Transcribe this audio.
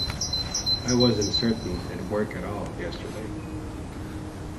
I wasn't certain it'd work at all yesterday.